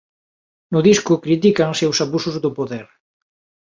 No disco critícanse os abusos do poder.